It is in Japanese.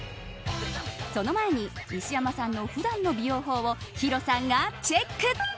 その前に、西山さんの普段の美容法をヒロさんがチェック。